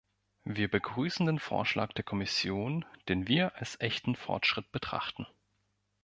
Wir begrüßen den Vorschlag der Kommission, den wir als echten Fortschritt betrachten.